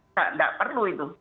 nggak nggak perlu itu